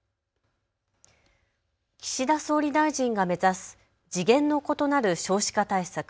岸田総理大臣が目指す次元の異なる少子化対策。